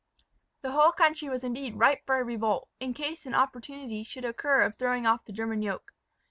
The whole country was indeed ripe for a revolt, in case an opportunity should occur of throwing off the German yoke.